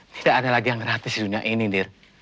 tidak ada lagi yang gratis di dunia ini